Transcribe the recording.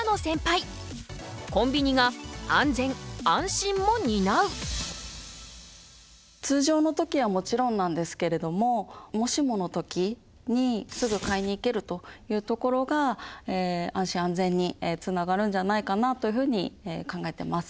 最後は通常の時はもちろんなんですけれどももしもの時にすぐ買いに行けるというところが安心安全につながるんじゃないかなというふうに考えてます。